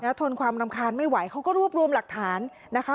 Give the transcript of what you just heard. ทนความรำคาญไม่ไหวเขาก็รวบรวมหลักฐานนะคะ